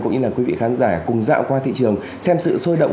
cũng như là quý vị khán giả cùng dạo qua thị trường xem sự sôi động